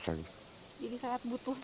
jadi sangat butuh